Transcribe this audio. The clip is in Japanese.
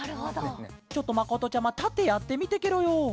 ちょっとまことちゃまたってやってみてケロよ。